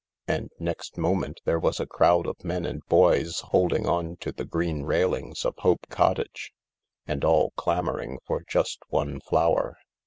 And next moment there was a crowd of men and boys holding on to the green railings of Hope Cottage, and all clamouring for just one flower.